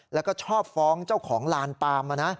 แล้วก็ชอบฟ้องเจ้าของลานปามมานะ